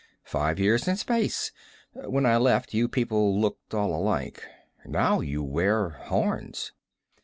Five years in space. When I left you people looked all alike. Now you wear horns."